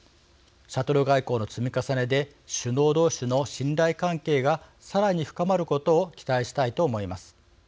シャトル外交の積み重ねで首脳同士の信頼関係がさらに深まることを期待したいと思います。